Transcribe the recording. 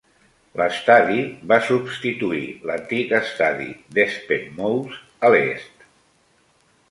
L'estadi va substituir l'antic estadi d'Espenmoos a l'est.